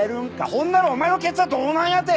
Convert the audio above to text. ほんならお前のケツはどうなんやて！